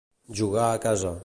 Jugar a casa.